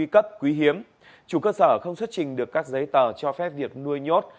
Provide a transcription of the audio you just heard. cấp quý hiếm chủ cơ sở không xuất trình được các giấy tờ cho phép việc nuôi nhốt